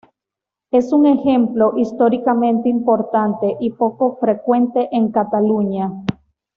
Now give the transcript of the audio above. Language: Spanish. Es un ejemplo históricamente importante y poco frecuente en Cataluña.